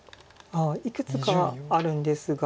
いくつかあるんですが。